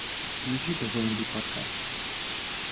Включи какой-нибудь подкаст